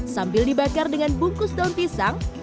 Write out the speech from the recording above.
sambil dibakar dengan bungkus daun pisang